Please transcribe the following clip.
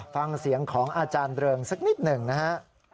ฟังเสียงของอาจารย์เริงสักนิดหนึ่งนะฮะ